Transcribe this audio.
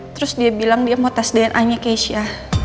terus dia bilang dia mau tes dna nya keisha